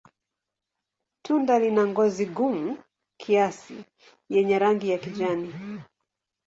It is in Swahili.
Tunda lina ngozi gumu kiasi yenye rangi ya kijani.